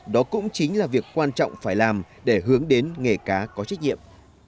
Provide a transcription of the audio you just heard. đó cũng chính là việc quan trọng phải làm để hướng đến nghề cá có trách nhiệm